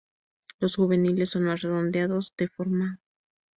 Los juveniles son más redondeados de forma.